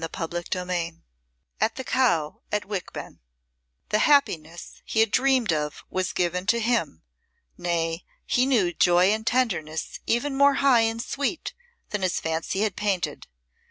CHAPTER XXIX At the Cow at Wichben The happiness he had dreamed of was given to him; nay, he knew joy and tenderness even more high and sweet than his fancy had painted.